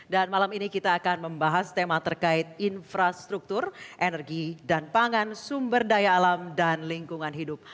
dan malam ini kita akan membahas tema terkait infrastruktur energi dan pangan sumber daya alam dan lingkungan hidup